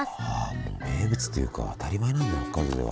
もう名物というか当たり前なんだ北海道では。